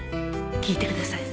聞いてください